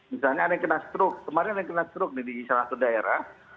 misalnya ada yang kena stroke kemarin ada kena stroke di salah satu daerah